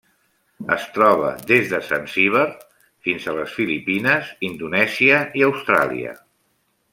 Es troba des de Zanzíbar fins a les Filipines, Indonèsia i Austràlia.